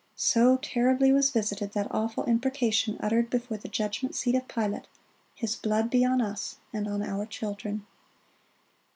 So terribly was visited that awful imprecation uttered before the judgment seat of Pilate: "His blood be on us, and on our children."